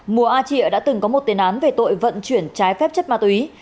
mùa a trịa đã từng có một tiền án về tội vận chuyển trái phép chất ma túy